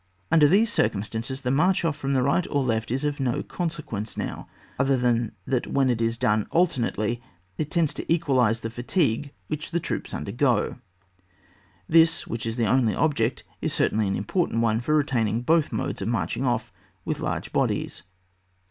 Under these circumstances the march off from the right or left is of no conse quence now, otherwise than that when it is done alternately it tends to equalise the fatigue which the troops undergo. This, which is the only object, is certainly an important one for retaining both modes of marching off with large bodies.